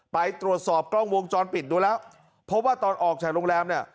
ไปตรวจสอบกล้องวงจรปิดดูแล้วเพราะว่าตอนออกจากโรงแรมเนี่ย